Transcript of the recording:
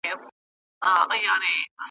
ګیدړ ږغ کړه ویل زرکي دورغجني .